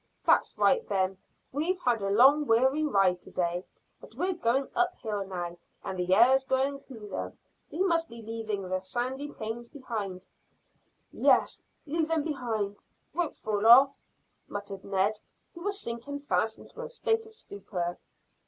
"That's right, then. We've had a long weary ride to day, but we're going up hill now and the air's growing cooler. We must be leaving the sandy plains behind." "Yes, leave behind. Won't fall off," muttered Ned, who was sinking fast into a state of stupor.